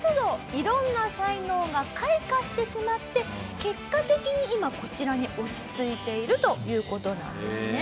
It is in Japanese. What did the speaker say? してしまって結果的に今こちらに落ち着いているという事なんですね。